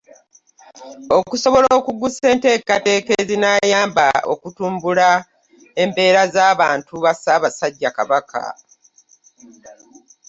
Okusobola okuggusa enteekateeka ezinaayamba okutumbula embeera z'abantu ba Ssaabasajja Kabaka.